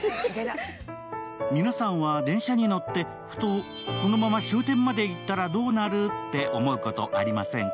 皆さんは電車に乗って、ふと、このまま終点まで行ったらどうなるって思うことありませんか？